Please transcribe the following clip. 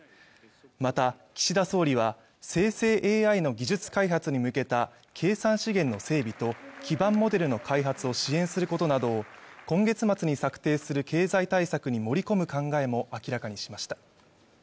また岸田総理は生成ＡＩの技術開発に向けた計算資源の整備と基盤モデルの開発を支援することなどを今月末に策定する経済対策に盛り込む考えも明らかにしました